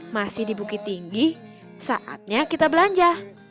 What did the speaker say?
masih di bukit tinggi saatnya kita belanja